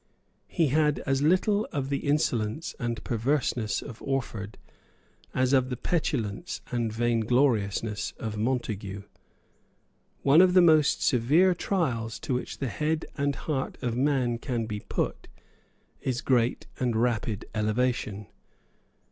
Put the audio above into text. He had as little of the insolence and perverseness of Orford as of the petulance and vaingloriousness of Montague. One of the most severe trials to which the head and heart of man can be put is great and rapid elevation.